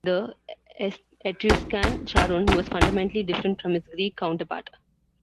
The Etruscan Charun was fundamentally different from his Greek counterpart.